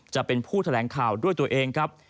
จะเป็นผู้แถลงข่าวด้วยตัวเองครับ